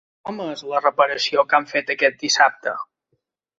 Com és la reparació que han fet aquest dissabte?